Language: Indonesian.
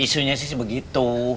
isunya sih sebegitu